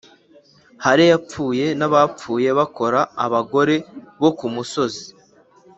hale yapfuye n'abapfuye bakora abagore bo kumusozi